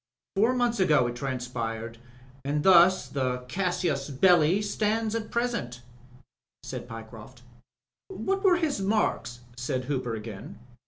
Four months ago it transpired, and thus the casus belli stands at present/' said Pyecroft. What were his marks?" said Hooper again.